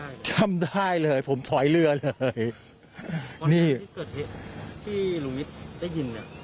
อย่างได้เลยผมขอยเลือดเลยนี่เกิดเลย